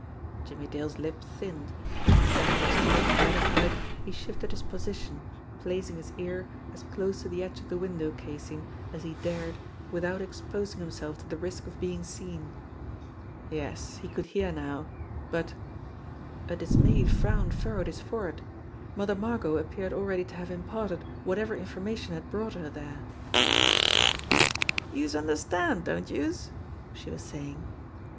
Jimmie Dale's lips; thinned, as, the sense of sight gratified, he shifted his position, placing his ear as close to the edge of the window casing as he dared without exposing himself to the risk of being seen. Yes, he could hear now, but a dismayed frown furrowed his forehead Mother Margot appeared already to have im parted whatever information had brought her there. "... Youse understand, don't youse?" she was saying.